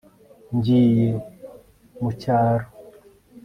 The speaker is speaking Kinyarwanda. ngiye mu cyaro